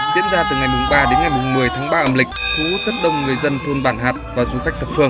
diễn ra từ ngày ba đến ngày một mươi tháng ba âm lịch thu hút rất đông người dân thôn bản hạt và du khách thập phương